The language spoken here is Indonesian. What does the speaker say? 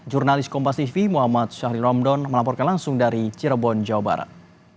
jurnalis kompas tv muhammad syahri romdon melaporkan langsung dari cirebon jawa barat